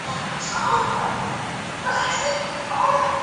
部分房屋屋顶的木瓦被风吹飞。